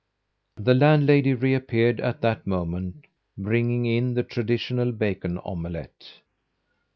The landlady re appeared at that moment, bringing in the traditional bacon omelette.